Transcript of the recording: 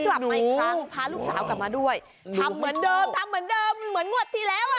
ทำเหมือนเดิมเหมือนงวดที่แล้ว